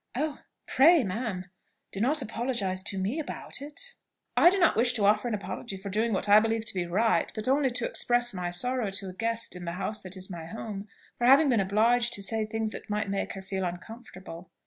"Oh! pray, ma'am, do not apologise to me about it." "I do not wish to offer an apology for doing what I believe to be right; but only to express my sorrow to a guest, in the house that is my home, for having been obliged to say any thing that might make her feel uncomfortable."